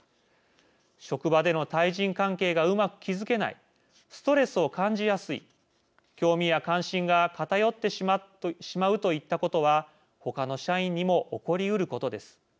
職場での対人関係がうまく築けないストレスを感じやすい興味や関心が偏ってしまうといったことは他の社員にも起こりうることです。